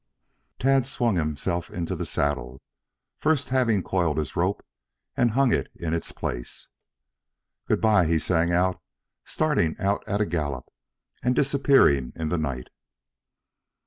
Tad swung himself into the saddle, first having coiled his rope and hung it in its place. "Good bye," he sang out, starting out at a gallop and disappearing in the night.